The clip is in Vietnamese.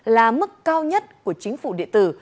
là mức cao nhất của chính phủ địa tử